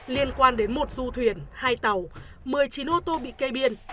liên quan đến một du thuyền hai tàu một mươi chín ô tô bị kê biên